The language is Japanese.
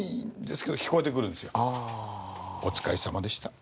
「お疲れさまでした。